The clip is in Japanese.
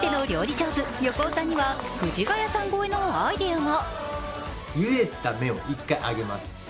上手横尾さんには藤ヶ谷さん超えのアイデアが。